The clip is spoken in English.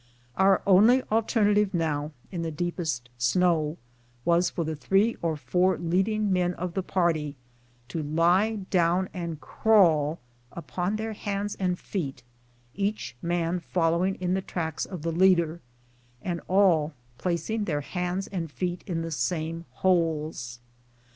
Our only alternative now, in the deepest snow, was for the three or four leading men of the party to lie down and crawl upon their hands and feet, each man following in the tracks of the leader, and all placing their hands and feet in the same holes.